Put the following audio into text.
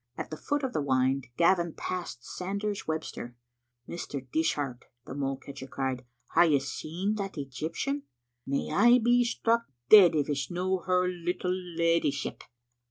At the foot of the wynd Gavin passed Sanders Webster. " Mr. Dishart," the mole catcher cried, " hae you seen that Egyptian? May I be struck dead if it's no' her little leddyship."